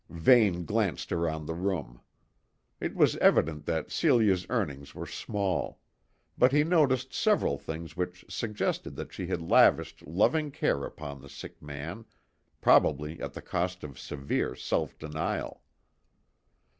Vane glanced round the room. It was evident that Celia's earnings were small; but he noticed several things which suggested that she had lavished loving care upon the sick man, probably at the cost of severe self denial.